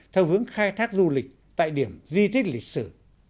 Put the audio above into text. theo hướng khai thác du lịch tại điểm di tích lịch sử